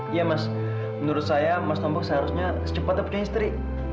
iya mas menurut saya mas tombok seharusnya secepatnya punya istri